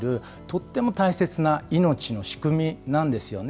とっても大切な命の仕組みなんですよね。